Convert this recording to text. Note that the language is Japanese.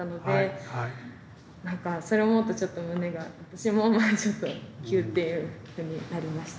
なんかそれを思うとちょっと胸が私もちょっとギューッていうふうになりました。